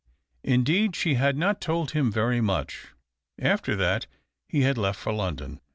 Indeed, she had not told him very much. After that, he had left for London.